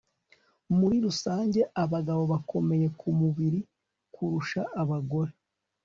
Muri rusange abagabo bakomeye kumubiri kurusha abagore